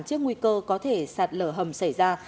trước nguy cơ có thể sạt lở hầm xảy ra